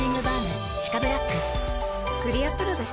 クリアプロだＣ。